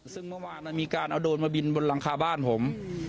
ซึ่งเมื่อวานมีการเอาโดรนมาบินบนหลังคาบ้านผม